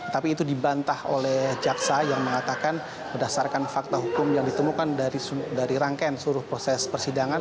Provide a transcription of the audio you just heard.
tapi itu dibantah oleh jaksa yang mengatakan berdasarkan fakta hukum yang ditemukan dari rangkaian seluruh proses persidangan